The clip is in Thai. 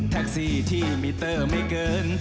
แท็กซี่ที่มิเตอร์ไม่เกิน